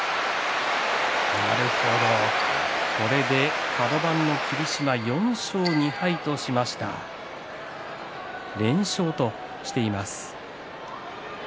なるほどこれでカド番の霧島４勝２敗、連勝としています。